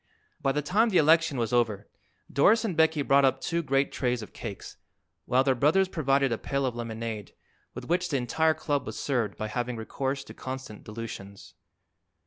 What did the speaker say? By the time the election was over Doris and Becky brought up two great trays of cakes, while their brothers provided a pail of lemonade, with which the entire club was served by having recourse to constant dilutions.